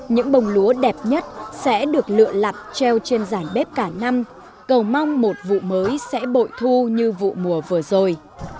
những bông lúa đẹp nhất sẽ được lựa lặp treo trên giàn bếp cả năm cầu mong một vụ mới sẽ bội thu như vụ mùa vừa rồi